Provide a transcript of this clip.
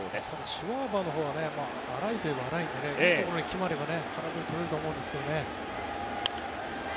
シュワバーのほうが粗いといえば粗いのでいいところに決まれば空振り取れると思うんですけどね。